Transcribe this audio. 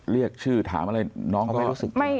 เรียกชื่อถามอะไรน้องก็